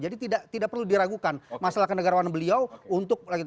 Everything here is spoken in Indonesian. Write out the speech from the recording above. jadi tidak perlu diragukan masalah kenegaran beliau untuk lagi